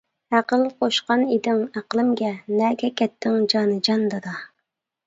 ئەقىل قوشقان ئىدىڭ ئەقلىمگە، نەگە كەتتىڭ جانىجان دادا.